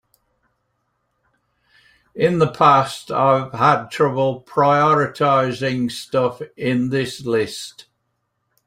In the past I've had trouble prioritizing stuff in this list.